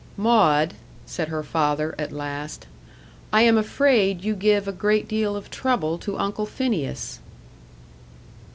"Maud," said her father, at last, "I am afraid you give a great deal of trouble to Uncle Phineas."